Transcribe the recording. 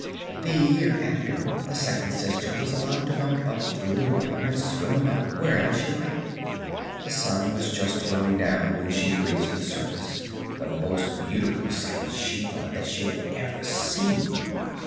The year after, the second sister was allowed to mount up through the water and swim about wherever she liked. The sun was just going down when she reached the surface, the most beautiful sight, she thought, that she had ever seen.